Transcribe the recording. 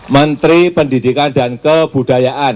menteri pendidikan dan kebudayaan